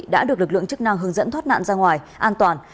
đã được lực lượng chức năng hướng dẫn thoát nạn ra ngoài an toàn